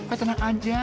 eh tenang aja